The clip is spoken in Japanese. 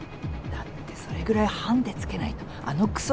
だってそれぐらいハンデつけないとあのくそ